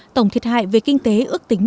tổng thiệt hại về kinh tế ước tính